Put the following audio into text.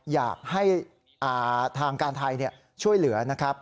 อยากให้ทางการไทยช่วยเหลือนะครับ